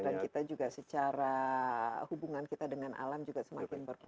dan kita juga secara hubungan kita dengan alam juga semakin berpulang